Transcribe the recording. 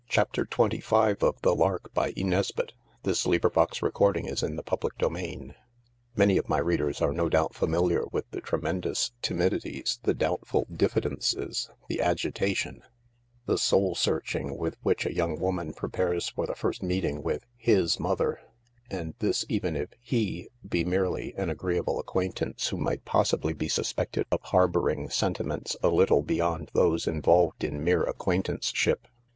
nfuriated countenance of a perfect stranger. This time it really was Mrs. Rochester. CHAPTER XXV Many of my readers are no doubt familiar with the tremulous timidities, the doubtful diffidences, the agitation, the soul searching with which a young woman prepares for the first meeting with his mother, and this even if he be merely an agreeable acquaintance who might possibly be suspected of harbouring sentiments a little beyond those involved in mere acquaintanceship.